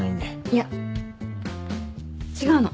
いや違うの。